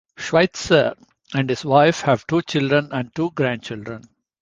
Schweizer and his wife have two children and two grandchildren.